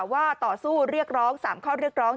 ว่าต่อสู้เรียกร้อง๓ข้อเรียกร้อง